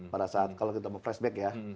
pada saat kalau kita mau flashback ya